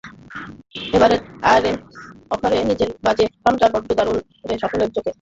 এবারের অ্যাশেজ-সফরে নিজের বাজে ফর্মটা বড্ড করুণ হয়ে ধরা দিচ্ছে সকলের চোখে।